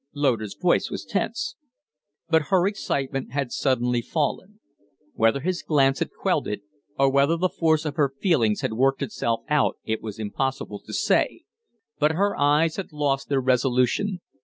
Loder's voice was tense. But her excitement had suddenly fallen. Whether his glance had quelled it or whether the force of her feelings had worked itself out it was impossible to say, but her eyes had lost their resolution.